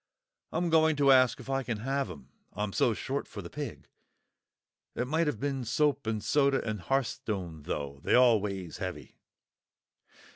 I'm going to ask if I can have 'em, I'm so short for the pig. It might have been soap and soda and hearthstone, though; they all weighs heavy."